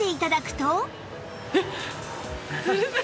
えっ！